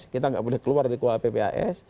kita tidak boleh keluar dari kuapp paae